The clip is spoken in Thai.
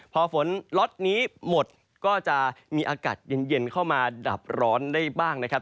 พอฝนล็อตนี้หมดก็จะมีอากาศเย็นเข้ามาดับร้อนได้บ้างนะครับ